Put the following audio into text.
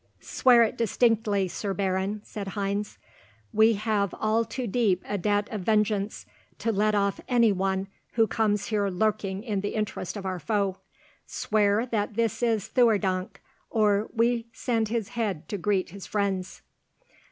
"Swear it distinctly, Sir Baron," said Heinz. "We have all too deep a debt of vengeance to let off any one who comes here lurking in the interest of our foe. Swear that this is Theurdank, or we send his head to greet his friends."